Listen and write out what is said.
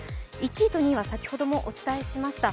１位と２位は先ほどもお伝えしました